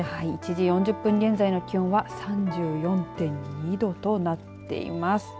１時４０分現在の気温は３４．２度となっています。